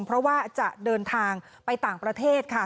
เพราะว่าจะเดินทางไปต่างประเทศค่ะ